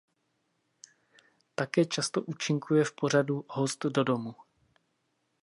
Také často účinkuje v pořadu "Host do domu".